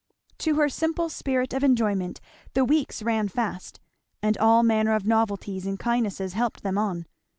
To her simple spirit of enjoyment the weeks ran fast; and all manner of novelties and kindnesses helped them on.